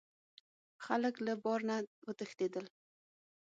خلک له بار نه وتښتیدل.